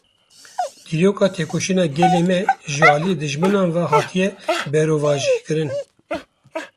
Dîroka tekoşîna gelê me ji aliyê dijminan ve hatiye berovajîkirin.